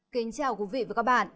kính chào quý vị và các bạn